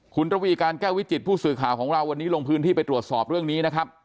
คุณระวีการแก้ววิจิตผู้สื่อข่าวของเราวันนี้ลงพื้นที่ไปตรวจสอบเรื่องนี้นะครับ